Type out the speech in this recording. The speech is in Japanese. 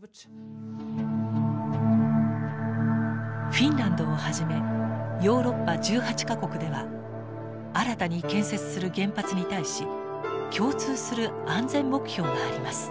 フィンランドをはじめヨーロッパ１８か国では新たに建設する原発に対し共通する安全目標があります。